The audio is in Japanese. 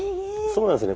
そうなんですよね。